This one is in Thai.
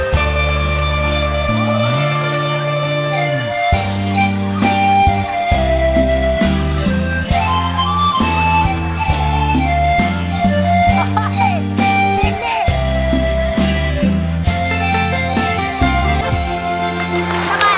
สบายหายห่วง